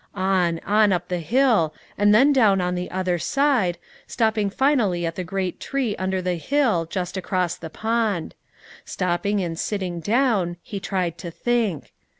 On, on, up the hill, and then down on the other side, stopping finally at the great tree under the hill, just across the pond. Stopping and sitting down, he tried to think.